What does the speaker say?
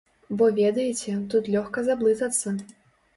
Бо, ведаеце, тут лёгка заблытацца.